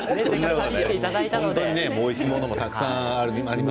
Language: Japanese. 本当においしいものがたくさんあります。